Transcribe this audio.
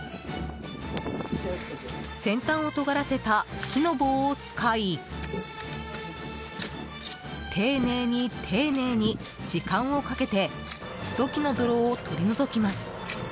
先端をとがらせた木の棒を使い丁寧に丁寧に時間をかけて土器の泥を取り除きます。